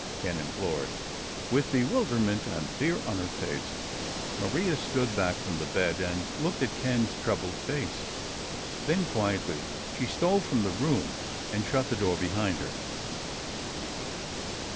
Ken implored. With bewilderment and fear on her face, Maria stood back from the bed and looked at Ken's troubled face. Then quietly she stole from the room and shut the door behind her.